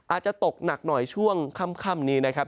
อาจจะตกหนักหน่อยช่วงค่ำนี้นะครับ